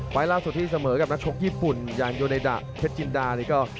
ไปล่าสุดที่เสมอกับนักชกญี่ปุ่นอย่างโยเนดาเทศจินดา